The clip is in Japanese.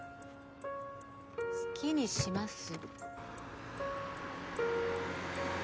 好きにします。